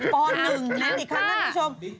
ป๑นะอีกครั้งนั่นมีชม